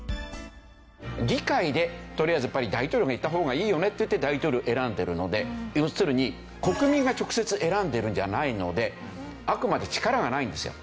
議会でとりあえずやっぱり大統領がいた方がいいよねって大統領を選んでるので要するに国民が直接選んでるんじゃないのであくまで力がないんですよ。